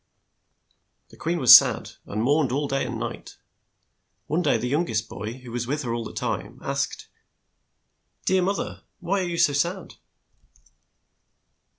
The queen was sad, and mourned day and night. One day the young est boy, who was with her all the time, asked. "Dear moth er, why are you so sad?"